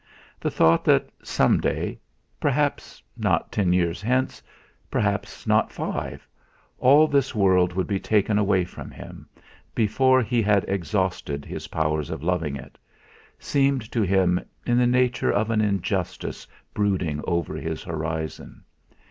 The thought that some day perhaps not ten years hence, perhaps not five all this world would be taken away from him, before he had exhausted his powers of loving it, seemed to him in the nature of an injustice brooding over his horizon.